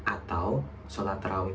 atau sholat tarawih